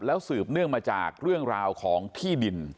สืบเนื่องมาจากเรื่องราวของที่ดิน